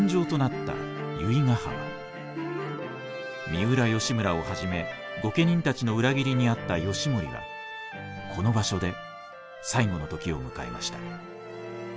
三浦義村をはじめ御家人たちの裏切りに遭った義盛はこの場所で最期の時を迎えました。